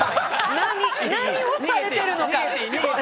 何をされてるのか。